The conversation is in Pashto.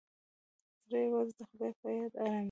زړه یوازې د خدای په یاد ارامېږي.